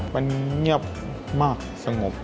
มันเงียบมากสงบ